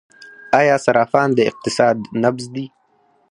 آیا صرافان د اقتصاد نبض دي؟